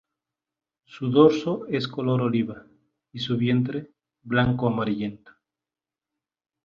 Su dorso es color oliva y su vientre blanco amarillento.